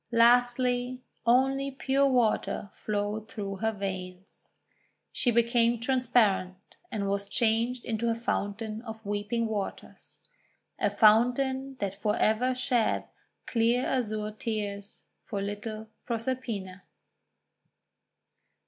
Lastly only pure water flowed through her veins. She became transparent, and was changed into a Fountain of Weeping Waters — a fountain that for ever sheds clear azure tears for little Proserpina.